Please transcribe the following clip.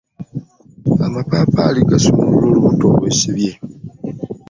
Amapaapaali gasumulula olubuto olwesibye.